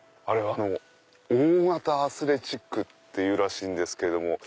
大型アスレチックっていうらしいんですけども。